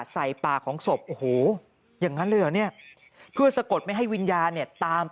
หลังจากพบศพผู้หญิงปริศนาตายตรงนี้ครับ